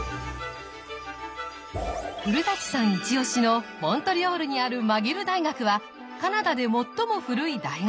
古さんイチオシのモントリオールにあるマギル大学はカナダで最も古い大学。